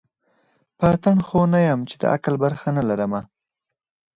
پتڼ خو نه یم چي د عقل برخه نه لرمه